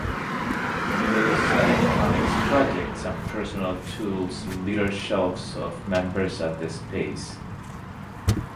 Numerous electronics projects and personal tools litter shelves of members at the space.